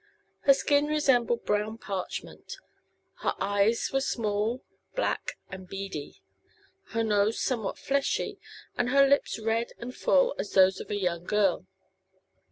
Her skin resembled brown parchment; her eyes were small, black and beady; her nose somewhat fleshy and her lips red and full as those of a young girl.